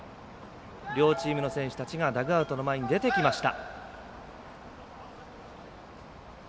両チームの選手たちがダグアウトの前に出てきました。